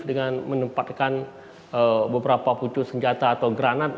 dengan menempatkan beberapa pucuk senjata atau granat